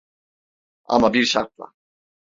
Ama bir şartla.